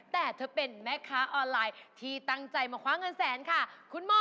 แต่เธอเป็นแม่ค้าออนไลน์ที่ตั้งใจมาคว้าเงินแสนค่ะ